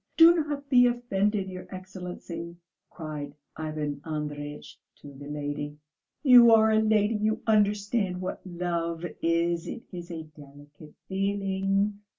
Do not be offended, your Excellency," cried Ivan Andreyitch to the lady. "You are a lady, you understand what love is, it is a delicate feeling....